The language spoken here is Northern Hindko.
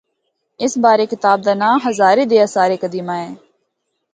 اس بارے کتاب دا ناں ’ہزارے دے آثار قدیمہ‘ اے۔